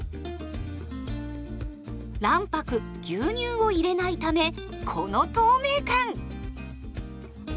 卵白牛乳を入れないためこの透明感！